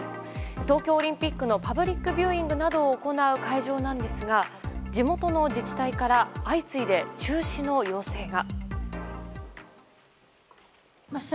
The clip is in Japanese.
東京オリンピックのパブリックビューイングなどを行う会場なんですが地元の自治体から相次いで中止の要請が。